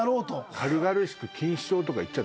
軽々しく。